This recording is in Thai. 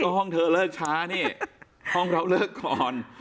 ห้องเธอเลิกช้านี่ห้องเราเลิกก่อน